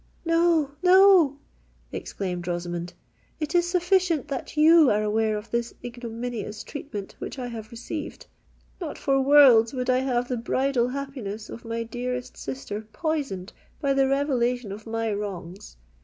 "No—no!" exclaimed Rosamond: "it is sufficient that you are aware of the ignominious treatment which I have received! Not for worlds would I have the bridal happiness of my dearest sister poisoned by the revelation of my wrongs!